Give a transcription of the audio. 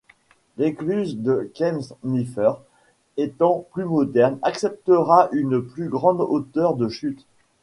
L'écluse de Kembs-Niffer étant plus moderne acceptera une plus grande hauteur de chute.